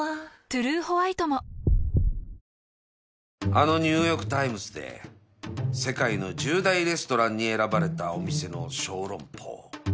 あのニューヨークタイムズで世界の１０大レストランに選ばれたお店の小籠包